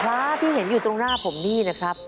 พระที่เห็นอยู่ตรงหน้าผมนี่นะครับ